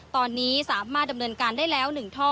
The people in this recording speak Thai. ตอนนี้สามารถดำเนินการได้แล้ว๑ท่อ